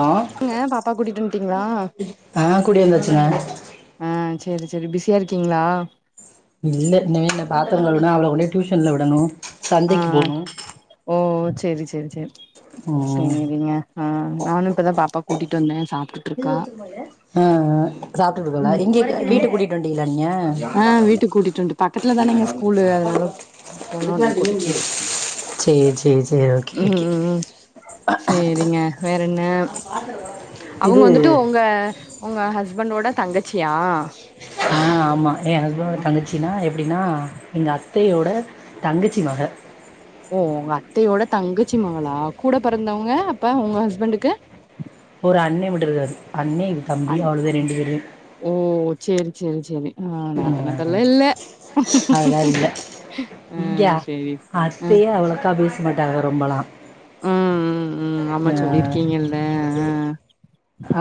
ஆ ங்க பாப்பா கூட்டிட்டு வந்துட்டீங்களா ஆ கூடி வந்தாச்சுங்க ஆ செரி செரி பிஸியா இருக்கீங்களா இல்ல இன்னமெ இந்த பாத்திரம் கழுவனும் அவ்ள கொன்டுபோய் டியூஷன்ல விடணும் ஆ சந்தைக்கு போணும் ஓ செரி செரி செரி ம் செரிங்க ஆ நானும் இப்பதான் பாப்பா கூட்டிட்டு வந்தேன் சாப்ட் ஆ சாப்பிட்டுகிட்டு இருக்காள ம் எங்க ஆ வீட்டுக்கு கூட்டிட்டு வண்டிலா ஆ வீட்டுக்கு கூட்டிட்டு வந்ட்டு பக்கத்துல தானேங்க ஸ்கூலு அதனால போன ஒட்னே கூட்டிட்டு நீங்க வந் [inaudible] சேரி சேரி சேரி ஓகே ம் ஓகே ம் ம் சேரிங்க வேற என்ன அவங்க இது வந்துட்டு உங்க உங்க ஹஸ்பண்டோட தங்கச்சியா ஆ ஆமா என் ஹஸ்பண்டோட தங்கச்சின்னா எப்படின்னா எங்க அத்தையோட தங்கச்சி மக ஓ உங்க அத்தையோட தங்கச்சி மகளா கூட பொறந்தவங்க அப்ப உங்க ஹஸ்பண்டுக்கு ஒரு அண்ண மட்டும் இருக்காரு அண்ணே இது தம்பி அண் அவ்வளேதான் ரெண்டு பேருதான். ஓ செரி செரி செரி அ நாத்தனகல்லாம் இல்ல அததான் இல்ல இங்க ம் சேரி ம் அத்தயும் அவ்ளோக்கா பேச மாட்டாங்க ரொம்பல்லாம் ம் ம் ம் ஆமா ஆ சொல்லிருக்கீங்கல்ல ஆ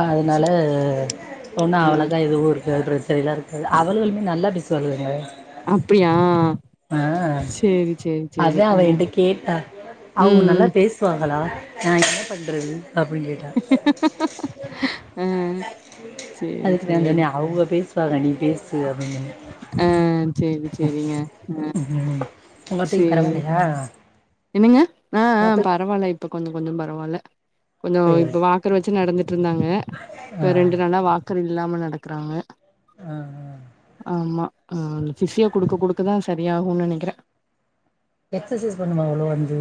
அதனால ஒண்ணா ஆ அவ்வளோக்கா எதுவும் இருக்காது பிரச்சனைல்லா அவளுகளுமே நல்லா பேசுவாளுகங்க அப்படியா ஆ செரி செரி அதா அவ என்ட கேட்டா அவங்க நல்லா ம் பேசுவாங்களா நா என்ன பண்றது அப்டின்னு கேட்டா ம் அதுக்கு நா சொன்னே அவங்க பேசுவாக நீ பேசு அப்படின்னு சொன்னேன் ஆ செரி செரிங்க ஆ உங்கத்தைக்கு சேரி பரவாலையா என்னங்க ஆ ஆ பரவால்ல இப்ப கொஞ்சோ கொஞ்சோ பரவாயில்ல கொஞ்ச சேரி இப்ப க்கர் வெச்சு நடந்துட்டு இருந்தாங்க ஆ இப்ப ரெண்டு நாளா வாக்கர்ல்லாம நடக்குறாங்க ஆ ஆ ஆமாந்த பிஸியோ குடுக்க குடுக்க தான் சரியாகும்ன்னு நெனைக்கிறேன் எக்ஸசைஸ் பண்ணுவாகளோ வந்து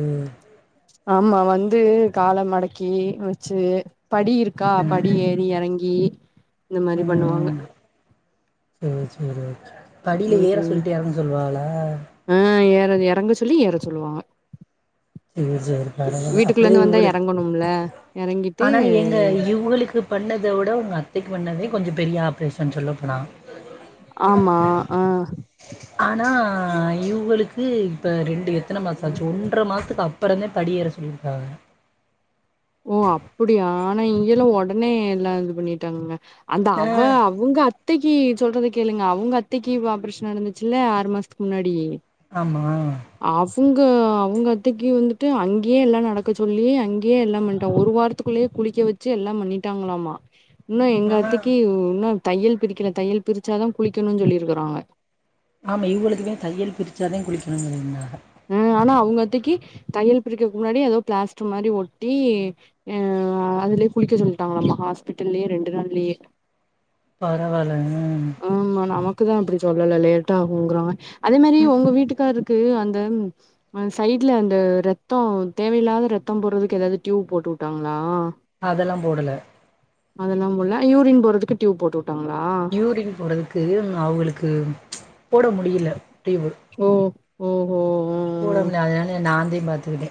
ஆமா வந்து கால மடக்கி வெச்சு படி இருக்கா ம் படி ஏறி இறங்கி ம் சேரி சேரி ரைட் படியில ஏற சொல்லிட்டு இறங்குங்க சொல்வால ஆஹ் ஏற இறங்க சொல்லி ஏற சொல்லுவாக இது சேரி பரவல்ல வீட்டுக்குள்ள அப்டியே இருந்து வந்தா இவங்களுக்கு எறங்கணும்ல எறங்கிட்டு ஆனா எங்க இவுளுக்கு பண்ணத விட உங்க அத்தைக்கு பண்ணதே கொஞ்ச பெரிய ஆப்ரேஷன் சொல்ல போனா ஆமா ஆ ஆனா இவுகளுக்கு இப்ப ரெண்டு எத்தன மாச ஆச்சு ஒன்ற மாச துக்கு அப்பறந்தா படியேற சொல்லியிருக்காக ஓ அப்டியா ஆனா இங்கெல்லா உடனே எல்லா இது பண்ணிட்டாங்கங்க அந்த ஆ அவ அவுங்க அத் அத்தைக்கு சொல்றத கேளுங்க அவங்க அத்தைக்கு இவ ஆப்ரேஷன் நடந்துச்சுல்ல ஆறு மாசத்துக்கு முன்னாடி ஆமா அவுங்க அவங்க அத்தைக்கு வந்துட்டு அங்கேயே எல்லா நடக்க சொல்லி அங்கேயே எல்லா அந்த ஒரு வாரத்துக்குள்ளேயே குளிக்க வச்சு எல்லா பண்ணிட்டாங்களாமா இன்னோ ஆ எங்கத்தைக்கு இன்னோ தையல் பிரிக்கல தையல் பிரிச்சாதா குளிக்கணு சொல்லியிருக்கறாங்க ஆமா இவகளுக்குமே தையல் பிரிச்சாதா குளிக்கணு சொல்லி இருந்தாங்க ஹ் ஆனா அவங்கத்தைக்கு தையல் பிரிக்கதுக்கு முன்னாடியே ஏதோ பிளாஸ்டு மாரி ஒட்டி ஆஹ் அதுலயே குளிக்க சொல்லிட்டாங்கலாமா ஹாஸ்பிட்டல்லயே ரெண்டு நாள்லயே பரவாலங்க ம் ஆமா நமக்கு தா அப்டி சொல்லல லேட்ட ஆகுங்கறாங்க அதே மாதிரி உங்க வீட்டுக்காரு க்கு அந்த அ சைட்ல அந்த ரத்த தேவையில்லாத ரத்த போறதுக்கு ஏதாவது டியூப் போட்டு வுட்டாங்களா அதெல்லா போடல அதெல்லா போடுள்ள யூரின் போறதுக்கு டியூப் போட்டு வுட்டாங்களா யூரிங் போறதுக்கு அவங்களுக்கு போட முடில டியூப் ஓ ஓகோ போட முடியல்ல அதனால நாந்த பார்த்துக்கிட்ட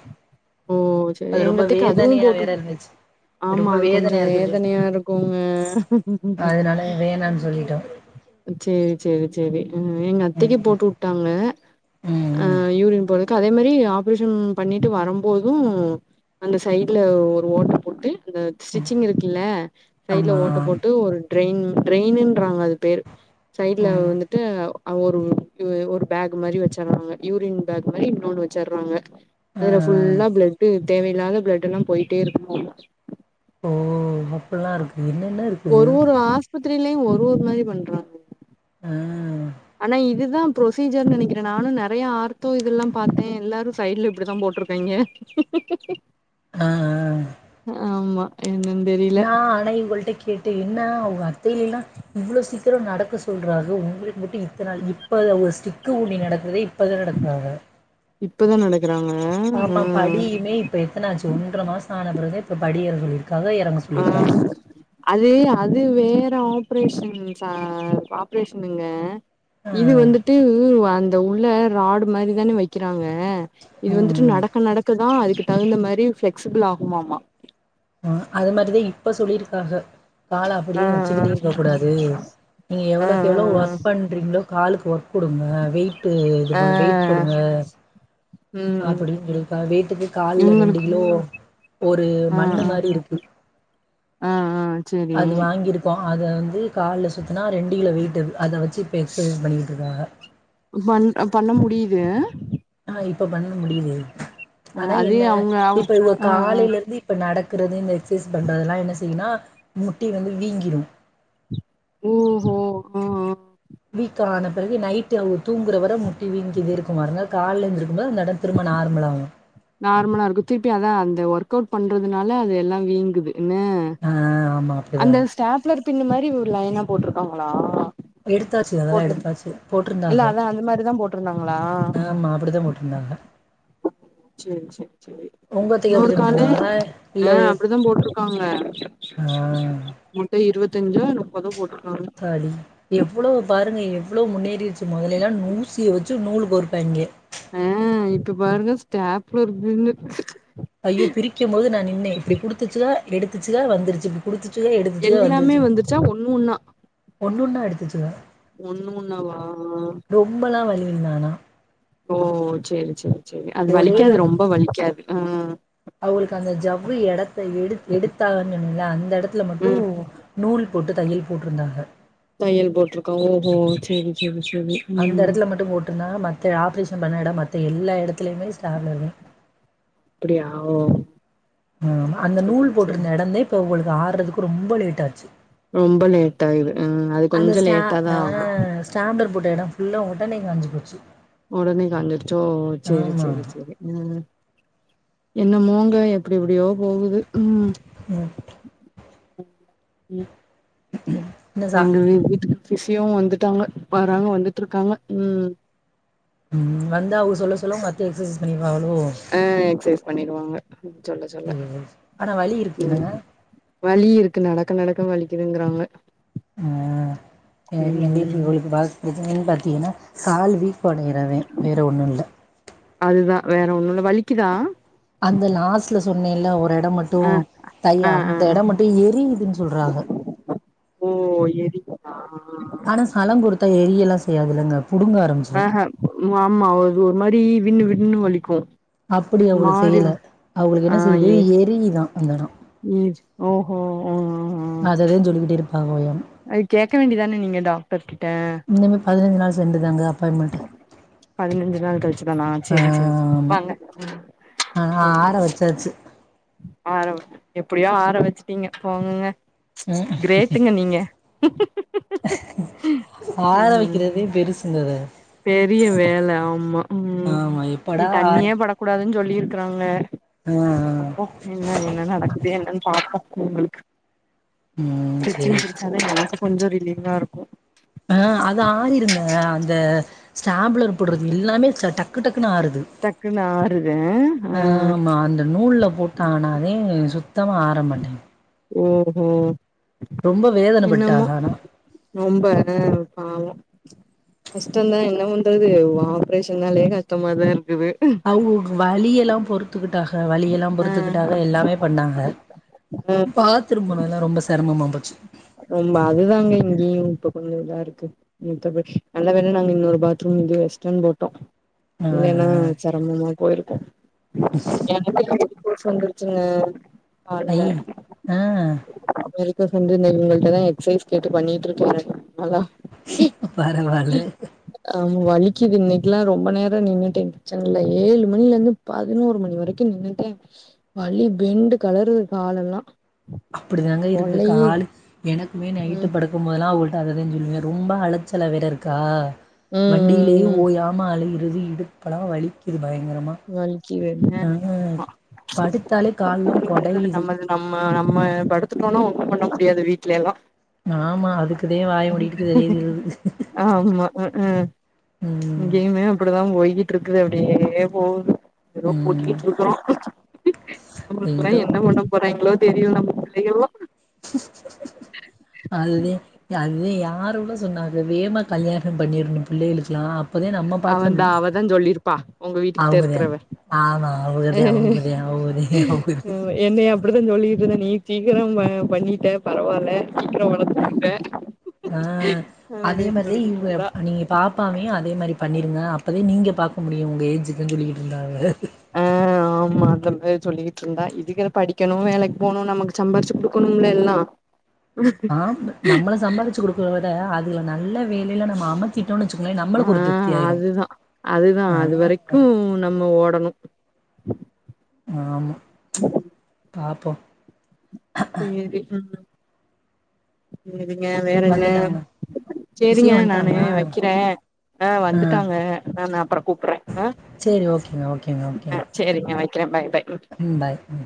ஓ சேரி எங்கத்தைக்கு அதுவு போட்டு வேற இருந்துச்சு இது ஆமா ரொம்ப அது கொஞ்சோ வேதனையா இருக்குன்னு சொல்லிட்டாங்க வேதனையா இருக்குங்க அதனால வேணான்னு சொல்லிட்டோம் சேரி சேரி சேரி எங்க அத்தைக்கு ம் போட்டுட் போங்க ஆ ம் யூரின் போறதுக்கு அதே மாரி ஆப்ரேஷன் பண்ணிட்டு வரம் போதும் அந்த சைட்ல ஒரு ஓட்ட போட்டு அந்த ஸ்டிச்சிங் இருக்குல்ல சைட்ல ஆமா ஓட்ட போட்டு ஒரு ட்ரெயின் ட்ரெயினுன்றாங்க அது பேர் சைடுல ம் வந்துட்டு அது ஒரு ஒரு பேக் மாதிரி வச்சர்றாங்க யூரின் பேக் மாதிரி இன்னொன்னு வச்சர்றாங்க ஆ அதுல ஃபுல்லா பிளட்டு தேவையில்லாத பிளட் எல்லா போயிட்டே இருக்கும்மா ஓ [unintelligible] என்னென்ன இருக்குது ஒரு ஒரு ஆஸ்பத்திரிலயு ஒரு ஒரு மாரி பண்றாங் அ ஆனா இது தா ப்ரோசீஜர்ன் நெனைக்கிற நானும் நெறைய ஆர்த்தோ இதெல்லா பார்த்த எல்லாரும் சைடுல இப்டி தா போட்ருக் காங்க ஆ ஆ ஆமா என்னன் தெரில நா ஆனா இவங்கள்ட்ட கேட்ட என்ன உங்க அத்தைலல்லா இவ்ளோ சீக்கிர நடக்க சொல்றாக உங்களுக்கு மட்டும் இத்தன இப்ப ஒரு ஸ்டிக்கு ஊணி நடக்குறதே இப்பதா நடக்குறாங்க இப்பதான் நடக்கறாங்க ஆ இப்போ எத்தன ஆச்சு ஒன்ற மாசோ ஆன பிறகு இப்போ படி ஏற சொல்லி இரு ஆ அது அது வேற ஆப்ரேஷன் சா ஆப்ரேஷனுங்க இது ஆ வந்துட்டு அந்த உள்ள ராடு மாரிதானே வைக்கிறாங்க இது ம் வந்துட்டு ம் நடக்க நடக்கதான் அதுக்கு தகுந்த மாரி பிளெக்சிபிள் ஆகுமாமா ஆ அது மாரிதான் இப்ப சொல்லியிருக்காக கால ஆ அப்டியே வச்சுக்கிட்டே இருக்க கூடாது நீ ஆ ஆ எவ்வளோக்கு எவ்ளோ ஆ ஒர்க் பண்றீங்களோ காலுக்கு ஒர்க் குடுங்க வெயிட் ஆ இதுபோல வெயிட் ஆ போடுங்க [inaudible] ம் அப்டின் ம் சொல்லிருக்கா வெய்ட்டுக்கு கால்ல ரெண்டு இவுங்களுக்கு கிலோ ஒரு ஆ மண்ணு ஆ மாரி இருக்கு ஆ ஆ செரி இப்போ அத வந்து கால்ல சுத்துனா ரெண்டு கிலோ வெயிட் அது அத வச்சு இப்போ எக்ஸசைஸ் பண்ணிக்கிட்டு இருக்காங்க மன் ஆ பண்ண முடிது ஆ இப்ப பண்ண முடிது அ ஆனா அதே என்ன அவங்க அவ் இப்ப இவ அ அ காலையிலருந்து இப்போ நடக்கிறது இந்த எக்சைஸ் பண்றதெல்லாம் என்ன செய்யுனா முட்டி வந்து வீங்கிரும் ஓஹோ அ அ வீக் ஆன பிறகு நைட் அவ தூங்குறவரை முட்டி வீணிக்கிட்டே இருக்கு பாருங்க கால்ல எந்துருக்கும் போது அந்த இடம் திரும்ப நார்மலாகும் நார்மலா இருக்கும் திருப்பி அதான் அந்த ஒர்க் அவுட் பண்றதுனால அது எல்லாம் வீங்குதுன்னு என்ன ஆ ஆமா அப்டிதான் டேப்லர் பின் மாரி ஒரு லைனா போட்ருக்காங்களா எடுத்தாச்சு அதெல்லாம் போட்ரு எடுத்தாச்சு போட்ருந்தாக இருந்தாங்களா ஆமா அப்டிதான் போட்டுருந்தாங்க சேரி சேரி சேரி உங்க அத்தைக்கு இன்னொரு அப்படிதான் காலு போட்டிருந்தாங்களா இல்ல ஆ அப்டிதான் போட்ருக்காங்க ஆ மூட்டை இருபத்தஞ்சோ நுப்பதோ போட்டுருக்காங்க வாடி எவ்ளோ பாருங்க எவ்ளோ முன்னேறிடுச்சு முதல எல்லாம் நூசியை வச்சு நூல்கோற்ப்பாய்ங்க ஆ இப்ப பாருங்க ஸ்டாப்லர் பின்னு ஐயோ பிரிக்கும் போது நான் நின்னேன் இப்டி குடுத்துச்சுக எடுத்துச்சுக வந்துருச்சு குடித்துச்சுக எடுத்துச்சுக எல்லாமே வந்துச்சு வந்துருச்சா ஒண்ணு ஒன்னா ஒண்ணுன்னா எடுத்துச்சுக ஒண்ணு ஒன்னாவா ரொம்பலாம் வலியில்ல ஆனா ஓ சரி சரி சரி அது வலிக்காது ரொம்ப வலிக்காது ஆ அவுகளுக்கு அந்த ஜவ் இடத்த எடு எடுத்தான்னு சொன்னல அந்த இடத்துல மட்டும் ம் நூல் போட்டு தையல் போட்டுருந்தாக தையல் போட்டிருக்கோ ஓஹோ செரி செரி செரி அந்த இடத்துல மட்டும் போட்டுனா மத்த ஆப்ரேஷன் பண்ண இடம் மத்த எல்லா இடத்துலயுமே ஸ்டாப்லர் தான் அப்டியா ஓ ஆ அந்த நூல் சேரி சேரி போட்டிருந்த இடம்ந்தே இப்ப உங்களுக்கு ஆறதுக்கு ரொம்ப லேட் ஆச்சு ரொம்ப லேட் ஆகுது ஆ அது கொஞ்சம் லேட்டா தான் ஆகும் சாம்பளர்போட்ட இடம் ஃபுல்லா உடனே காஞ்சி போச்சு உடனே காஞ்சிருச்சோ செரி ஆமாம் செரி செரி ம் என்ன மூங்க எப்டி இப்டியோ போகுது ம் உம் ம் என்ன சா எங்க வீட்டுக்கு பிசியவும் வந்துட்டாங்க வறாங்க வந்துட்டு இருக்காங்க உம் ம் வந்தா அவங்க சொல்ல சொல்ல மத்தி எக்சசைஸ் பண்ணிடுவாங்களோ ஆ எக்ஸசைஸ் பண்ணிடுவாங்க சொல்ல சொல்ல சரி ஆனால் வலி உம் இருக்குன்னாங்க வலி இருக்கு நடக்க நடக்க வலிக்குதுங்கிறாங்க ஆ எங்க வீட்ல ம் எங்ளுக்கு இவளு டாக் பிரச்சனனு பாத்தீங்கன்னா கால் வீக்கடையிறவேன் வேற ஒன்னும் இல்ல அதுதான் வேற ஒன்னு இல்ல வலிக்குதா அந்த லாஸ்ட்ல சொன்னே இல்ல ஒரு எடொ மட் ஆ டும் தை ஆ ஆ அந்த ஆ இடம் மட்டும் எரியுதுன்னு சொல்றாங்க ஓ ஏரியு ஆ ஆனா சளம் கொடுத்தா எரிய எல்லாம் செய்யாதுல்லங்க புடுங்க ஆரம் ஆஹ ஆமா ஒரு மாரி வின்னு வின்னு வலிக்கும் அப்புடி அவுங்களுக் செய்யல அவுங்ளுக்கு என்ன செய்யுதா எரியுதா அந்த எடொ எர் ஓஹோ ஓ அ அதைதான் சொல்லிக்கிட்டு இருப்பாக ஓயம் அது கேக்க வேண்டிதான நீங்க டா க்டர் கிட்டா இந்த மா பதிஞ்சு நாள் செண்டு தாங்க அப்பாயின்மெண்டு பதினஞ்சு நாள் கழிச்சுதானா செரி செரி ஆமா ஆ ஆற வச்சாச்சு ஆர எப்டியோ ஆர வச்சுட்டீங்க போங்குங்க ம் கிரேட்டுங்க நீங்க ஆர ம் வக்கிறதே பெருசுங்கத பெரிய வேல ஆமா உம் ஆமா நீ எப்படா தண்ணியே ஆற படக் கூடாதுன்னு சொல்லிருக்கறாங்க ஆ ஆ பாப்போ என்ன என்ன நடக்குது என்னன்னு பாப்போ இவுங்களுக்கு ம் சேரி ஸ்டிச்சிங் சேரி பிரிச்சாத எனக்கு கொஞ்சம் ரிலீவா இருக்கும் ஆ அது ஆறிருங்க அந்த ஸ்டாம்பலர் போடுறது எல்லாமே ச டக்கு டக்குன்னு ஆறுது டக்குன்னு ஆறுது ஆ அ ஆமா அந்த நூல்ல போட் டாங்கனாதே சுத்தமா ஆரமாட்டேங் ஓ ஹோ ரொம்ப வேதனப்பட்டாக ஆனா ரொம்ப என பாவோ கஷ்டோந்தா என்ன பண்றது ஆப்ரேஷன்னாலே கஷ்டமாதா இருக்குது அவுங்கவுங்க வலியெல்லா பொறு துக்கிட்டாக வழியெல்லா ஆ பொறுத்துகிட்டாக எல்லாமே பண்ணாக திரும்பனு எல்லாம் ரொம்ப செரமமா போச்சி ரொம்ப அதுதாங்க இங்கேயு இப்ப கொஞ்சோ இதா இருக்கு [inaudible] நல்ல வேற நாங்க இன்னொரு பாத்ரூம் இங்கே வெஸ்டன் போட்டோ இல்லைன்னா ஆ செரமமா போய்ருக்கு [inaudible] சின்ன ஹால்ல ஐ ஆ [unintelligible] இவுங்கள்ட்ட தா எக்ஸ்சைஸ் கேட்டு பண்ணிட்டு இருக்காரு அதா பரவாயில்ல ஆமா வலிக்கிது இன்னைக்கிலா ரொம்ப நேரோ நின்னுட்டே கிச்சன்ல ஏழு மணிலேருந்து பதினோரு மணி வரைக்கு நின்னுட்டே வலி பெண்டு கலறுது காலெல்லா அப்டி தாங்க இருக்கு பொழையுது காலு எனக்குமே நைட்டு ம் படுக் கும்போதெல்லா உள்டாகுதுன் சொல்வே ரொம்ப அலச்சலா வேற இருக்கா ம் டெய்லி ம் ம் ஓயாம அலையிறது இடுப்பலா வலிக்குது பயங்கரமா வலிக்குது என்ன ஆ ஆமா படுத்தாலே [inaudible] கால்லாம் தாங்குறது கொடையுது. நம்ப தான நம்ம நம்ம படுத்துட்டோனா ஒண்ணு பண்ண முடியாது வீட்ல எல்லா ஆமா அதுக்குதே வாய மூடிக்கிட்டு தெரியதுகிறது ஆமா ம் இங்கயுமே அப்டிதா போய்க்கிட்டு இருக்குது அப்டியே போது ஏதோ ம். ஓட்டிக்கிட்டு இருக்கிறோ அவுங்களுக்கெல்லா என்கிட்ட என்ன பண்ண போறாய்ங்களோ தெரியல நம்ம புள்ளைங்கல்லா அதுதே இல்ல அதுதே யாரு கூட சொன்னாங்க வேகமா கல்யாணோ பண்ணிரனு பிள்ளைகளுக்லா அவந்தா அவதா சொல்லிருப்பா உங்க வீட்டுக்கிட்ட அவங்க தான். இருக்கறவ ஆமா அவுகதே அவுங்கதே அவுகதே அவுகதே ம் என்னைய அப்டிதா சொல்லிட்டு இருந்த நீ சீக்கிரோ ப பண்ணிட்ட பரவாயில்ல ம் ஆ அதே அப்டின்னு மாதிரி சொல்லிக்கிட்டு இவுங்க இருந்தா நீங்க பாப் பாவையு அதே மாரி பண்ணிடுங்க அப்போதே நீங்க பாக்க முடியு உங்க ஏஜுக்குன்னு சொல்லிக்கிட்டு இருந்தாக ஆ ஆம் மா அதேமேரி சொல்லிக்கிட்டு இருந்தா இதுக படிக்கணு வேலைக்கு போணு நமக்கு சம்பாரிச்சு குடுக்கணும்ல எல்லா ஆ நம்பள சம்பாரிச்சி கொடுக்கறத விட அதுகள நல்ல வேலையில நம்ம அமச் சிடோனு வச்சிக்கோங்ளே ஆ நம்மளுக்கு ஒரு திருப்தி ஆய்ரு ம் நம்ம ஓடணு ஆமா பாப்போ சேரி ம் சேரிங்க வேற என்ன வந்துட்டாங்க சேரிங்க விசியா நானு வந்ட்டாங்களா வக்கிறே ஆ வந்துட்டாங்க நானு அப்றோ கூப்புட்றே ஆ சேரி ஓகேங்க ஓகேங்க ஆ ஓகேங்க சேரிங்க வக்கிற பாய் பாய் ம் ம் பாய் ம்